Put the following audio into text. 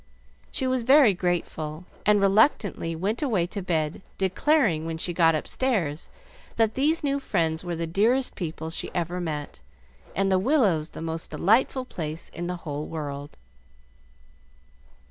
She was very grateful, and reluctantly went away to bed, declaring, when she got upstairs, that these new friends were the dearest people she ever met, and the Willows the most delightful place in the whole world.